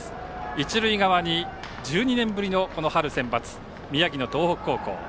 一塁側に１２年ぶりの春センバツ宮城の東北高校。